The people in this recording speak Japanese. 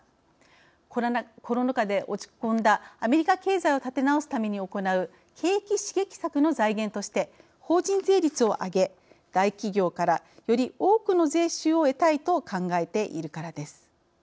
コロナ禍で落ち込んだアメリカ経済を立て直すために行う景気刺激策の財源として法人税率をあげ大企業からより多くの税収を得たいと考えているからです。